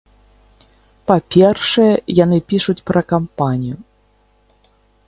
Па-першае, яны пішуць пра кампанію.